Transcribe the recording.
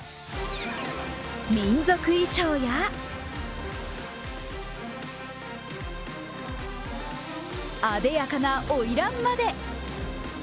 民族衣装やあでやかなおいらんまで。